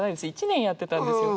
１年やってたんですよ。